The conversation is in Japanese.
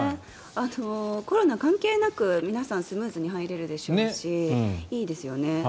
コロナ関係なく皆さん、スムーズに入れるでしょうしいいですよね。